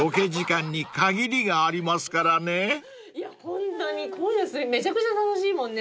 いやホントにこういうのめちゃくちゃ楽しいもんね。